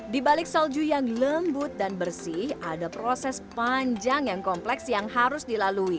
di balik salju yang lembut dan bersih ada proses panjang yang kompleks yang harus dilalui